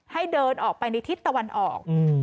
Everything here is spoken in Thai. ให้เดินออกไปในทิศตะวันออก